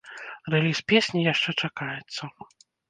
Рэліз песні яшчэ чакаецца.